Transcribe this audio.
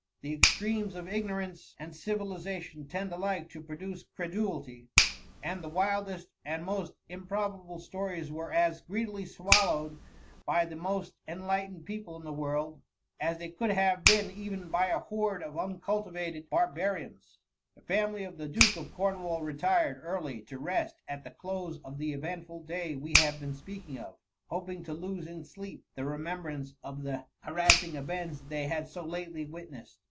The extremes of ignorance and civilization tend alike to produce credulity, and the wildest and most improbable stories were as greedily swallowed by the most en* lightened people in the world, as they could have been even by a horde of uncultivated barbarians. 306 THX MVMirr. The fiunily of the Duke of Cornwall retired early to rest at the close of the eventful day we have been speaking of, hopmg to lose in sleep the remembrance of the harassing events they had so lately witnessed.